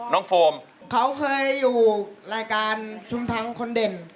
โฟมเขาเคยอยู่รายการชุมทางคนเด่น